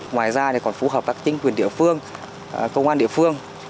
ngoài ra còn phù hợp với chính quyền địa phương công an địa phương